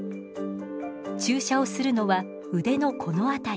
注射をするのは腕のこの辺り。